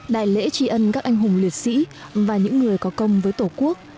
đại lễ tri ân các anh hùng liệt sĩ và những người có công với tổ quốc